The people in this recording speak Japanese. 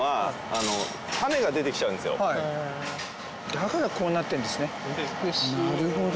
だからこうなってるんですねなるほど。